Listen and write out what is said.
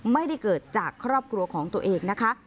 ไม่ได้เกิดจากครอบครัวของตัวเองนะคะ